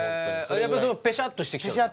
やっぱりペシャッとしてきちゃうの？